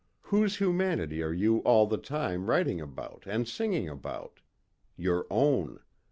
Whose humanity are you all the time writing about and singing about? Your own.